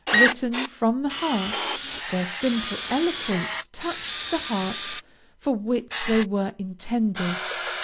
Written from the heart, their simple eloquence touched the heart for which they were intended.